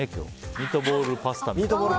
ミートボールパスタみたいな。